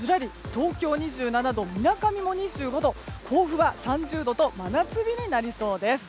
東京２７度、みなかみも２５度甲府は３０度と真夏日になりそうです。